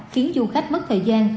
khiến du khách mất thời gian